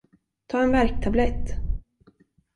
Ta en värktablett.